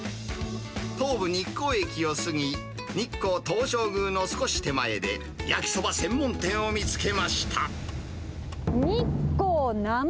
東武日光駅を過ぎ、日光東照宮の少し手前で、焼きそば専門店を見つけました。